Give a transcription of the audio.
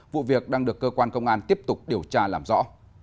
vụ việc đang được cơ quan công an tiếp tục điều tra làm rõ